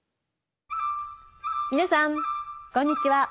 皆さんこんにちは。